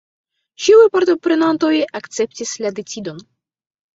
Ĉiuj partoprenantoj akceptis la decidon.